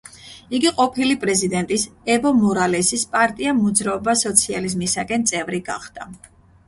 იგი ყოფილი პრეზიდენტის ევო მორალესის პარტია მოძრაობა სოციალიზმისაკენ წევრი გახდა.